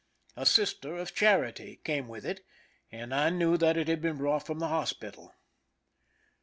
A Sister of Charity came with it, and I knew that it had been brought from the hospital.